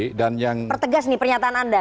oke saya mau pertegas nih pernyataan anda